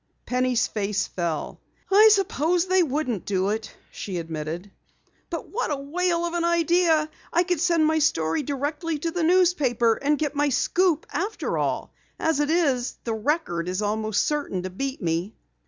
Penny's face fell. "I suppose they wouldn't do it," she admitted. "But what a whale of an idea! I could send my story directly to the newspaper, and get my scoop after all. As it is, the Record is almost certain to beat me."